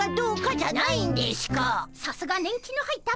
さすが年季の入ったペア。